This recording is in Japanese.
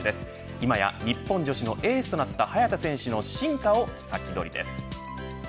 今や日本女子のエースとなった早田選手の進化をサキドリです。